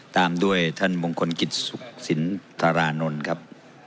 ตามด้วยท่านมงคลกิจสุขสินธารานนท์ครับ